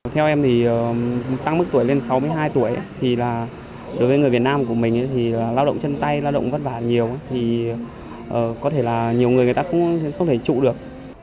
theo tôi những công việc nặng nhọc không thể tăng được